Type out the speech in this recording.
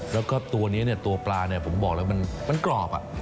แล้วก็ตัวนี้เนี่ยตัวปลาเนี่ยผมบอกแล้วมันกรอบ